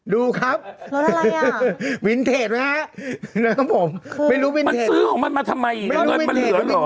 ดูครับวินเทจไหมฮะแล้วครับผมไม่รู้วินเทจมันเหลือเหรอ